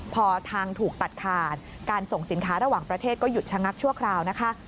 พอทางถูกตัดขาดการส่งสินค้าระหว่างประเทศก็หยุดชะงักชั่วคราวนะคะ